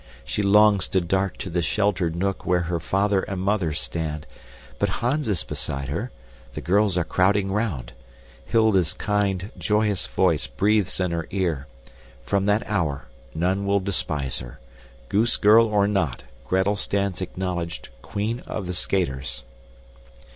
She longs to dart to the sheltered nook where her father and mother stand. But Hans is beside her the girls are crowding round. Hilda's kind, joyous voice breathes in her ear. From that hour, none will despise her. Goose girl or not, Gretel stands acknowledged queen of the skaters!